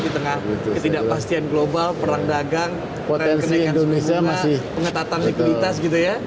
di tengah ketidakpastian global perang dagang tren kenaikan pengetatan likuiditas gitu ya